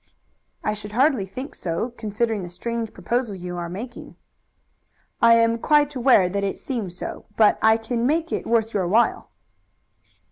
"I should hardly think so, considering the strange proposal you are making." "I am quite aware that it seems so, but I can make it worth your while."